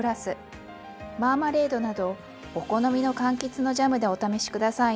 マーマレードなどお好みのかんきつのジャムでお試し下さいね。